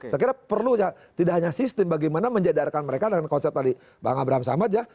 saya kira perlu tidak hanya sistem bagaimana menjadarkan mereka dengan konsep tadi bang abraham samad ya